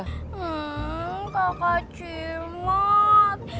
hmm kakak cemat